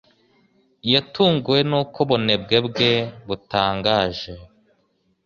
Yatunguwe nuko ubunebwe bwe butangaje.